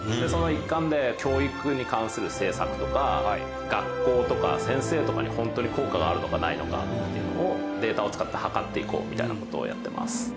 その一環で教育に関する政策とか学校とか先生とかにホントに効果があるのかないのかっていうのをデータを使って測って行こうみたいなことをやってます。